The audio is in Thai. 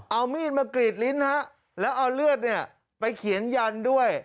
เอามีดมากรีดลิ้นและเอาเลือดไปเขียนยันด้วย